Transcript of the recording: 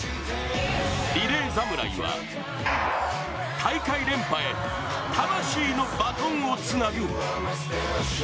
リレー侍は、大会連覇へ魂のバトンをつなぐ。